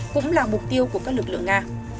cũng là mục tiêu của các lực lượng nga